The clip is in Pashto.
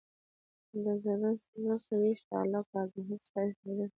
د رزق وېش د الله کار دی، حرص بېفایده دی.